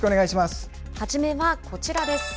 初めはこちらです。